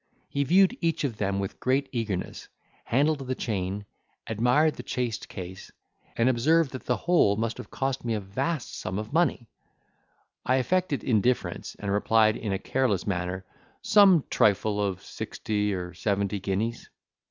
He viewed each of them with great eagerness, handled the chain, admired the chased case, and observed that the whole must have cost me a vast sum of money. I affected indifference, and replied in a careless manner, "Some trifle of sixty or seventy guineas."